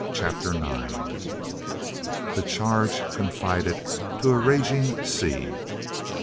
CHAPTER IX. THE CHARGE CONFIDED TO A RAGING SEA.